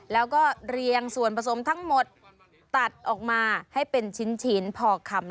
แล้วก็เรียงส่วนผสมทั้งหมดตัดออกมาให้เป็นชิ้นพอคำ